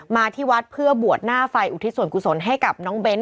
มาที่วัดเพื่อบวชหน้าไฟอุทิศส่วนกุศลให้กับน้องเบ้น